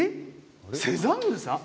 セザンヌさん？